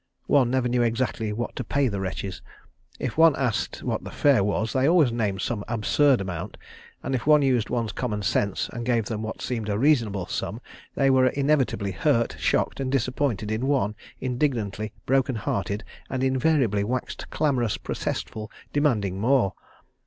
One never knew exactly what to pay the wretches. If one asked what the fare was, they always named some absurd amount, and if one used one's common sense and gave them what seemed a reasonable sum they were inevitably hurt, shocked, disappointed in one, indignantly broken hearted, and invariably waxed clamorous, protestful, demanding more.